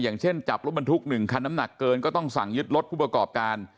อย่างเช่นจับรถบรรทุก๑คันน้ำหนักเกินก็ต้องสั่งยึดรถผู้ประกอบการ